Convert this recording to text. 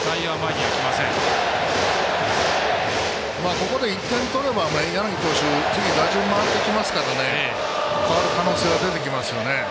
ここで１点取れば、柳投手次、打順回ってきますから代わる可能性は出てきますね。